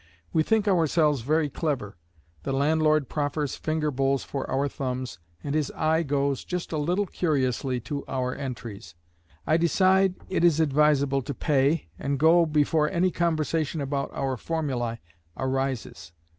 We think ourselves very clever. The landlord proffers finger bowls for our thumbs, and his eye goes, just a little curiously, to our entries. I decide it is advisable to pay and go before any conversation about our formulae arises.